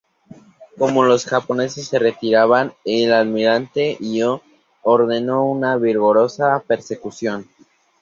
Como los japoneses se retiraban, el almirante Yi ordenó una vigorosa persecución.